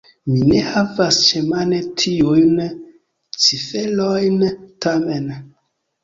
Mi ne havas ĉemane tiujn ciferojn, tamen.